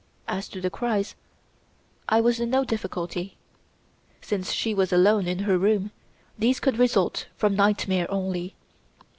As to the cries, I was in no difficulty; since she was alone in her room these could result from nightmare only.